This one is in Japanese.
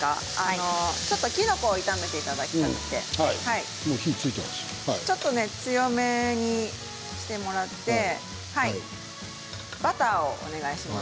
ちょっときのこを炒めてほしくてちょっと強めにしてもらってバターをお願いします。